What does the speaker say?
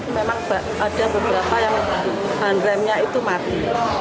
memang ada beberapa yang bahan remnya itu mati